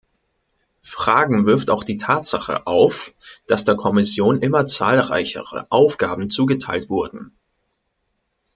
Fragen wirft auch die Tatsache auf, dass der Kommission immer zahlreichere Aufgaben zugeteilt wurden.